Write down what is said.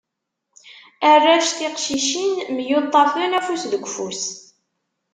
Arrac tiqcicin, myuṭṭafen afus deg ufus.